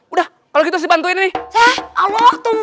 udah kalau gitu saya bantuin nih